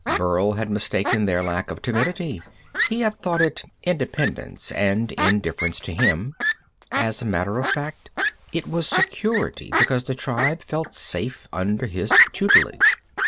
Burl had mistaken their lack of timidity. He had thought it independence, and indifference to him. As a matter of fact, it was security because the tribe felt safe under his tutelage.